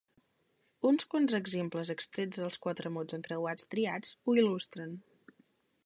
Uns quants exemples extrets dels quatre mots encreuats triats ho il·lustren.